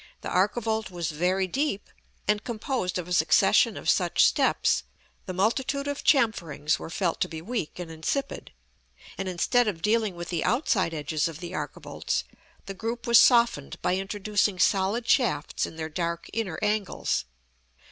the archivolt was very deep, and composed of a succession of such steps, the multitude of chamferings were felt to be weak and insipid, and instead of dealing with the outside edges of the archivolts, the group was softened by introducing solid shafts in their dark inner angles.